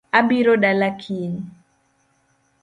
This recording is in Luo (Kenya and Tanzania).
Abiro dala kiny